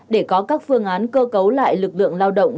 để có các phương án cơ cấu lại lực lượng lao động